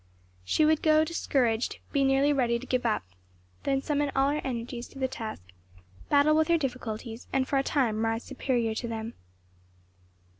She would grow discouraged, be nearly ready to give up, then summon all her energies to the task, battle with her difficulties and for a time rise superior to them.